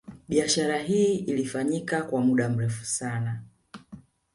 Biashara hii ilifanyika kwa muda mrefu sana